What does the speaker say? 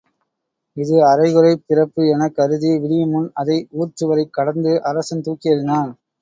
இது அரை குறை பிறப்பு எனக் கருதி விடியுமுன் அதை ஊர்ச் சுவரைக் கடந்து அரசன் தூக்கி எறிந்தான்.